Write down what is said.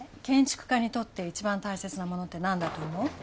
建築家にとって一番大切なものって何だと思う？